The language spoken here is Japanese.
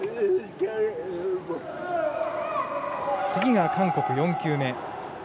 次が韓国の４球目。